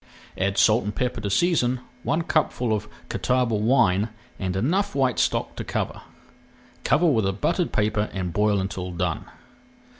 Add salt and pepper to season, one cupful of Catawba wine, and enough white stock to cover. Cover with a buttered paper and boil until done.